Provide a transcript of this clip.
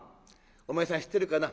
「お前さん知ってるかな？